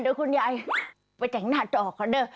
เดี๋ยวคุณยายไปแต่งหน้าจอคอนเด้อ